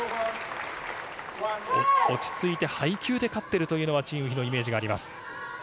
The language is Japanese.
落ち着いて配球で勝っているというチン・ウヒのイメージがあります。